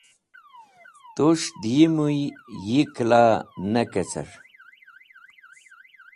Tu’es̃h dẽ yi mũy yi kẽla ne kecer.